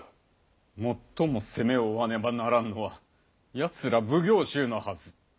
最も責めを負わねばならんのはやつら奉行衆のはず。